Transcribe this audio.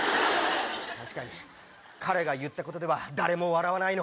確かに彼が言ったことでは誰も笑わないの。